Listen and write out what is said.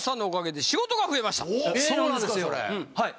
そうなんですよはい。